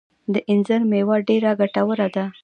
د انځر مېوه ډیره ګټوره ده